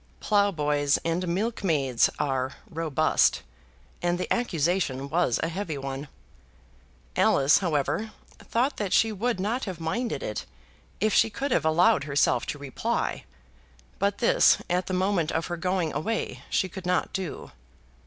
Ploughboys and milkmaids are robust, and the accusation was a heavy one. Alice, however, thought that she would not have minded it, if she could have allowed herself to reply; but this at the moment of her going away she could not do.